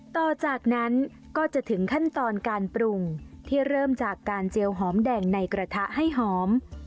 ต่อจากนั้นก็จะถึงขั้นตอนการปรุงที่เริ่มจากการเจียวหอมแดงในกระทะให้หอม